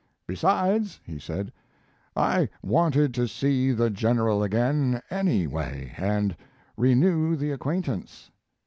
"Besides," he said, "I wanted to see the General again anyway and renew the acquaintance.